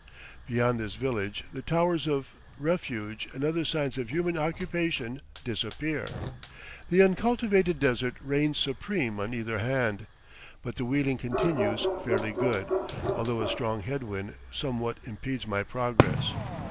Beyond this village the towers of refuge and other signs of human occupation disappear; the uncultivated desert reigns supreme on either hand; but the wheeling continues fairly good, although a strong headwind somewhat impedes my progress.